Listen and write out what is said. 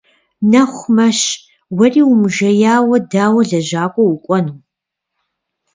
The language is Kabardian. Нэху мэщ, уэри умыжеяуэ дауэ лэжьакӀуэ укӀуэну?